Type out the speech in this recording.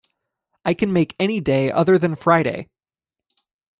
I can make any day other than Friday.